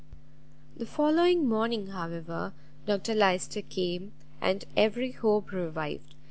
The following morning, however, Dr Lyster came, and every hope revived.